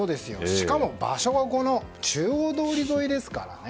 しかも場所は中央通り沿いですからね。